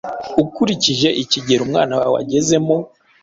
ukurikije ikigero umwana wawe agezemo,